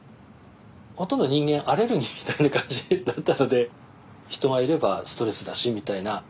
ほとんど人間アレルギーみたいな感じだったので人がいればストレスだしみたいな。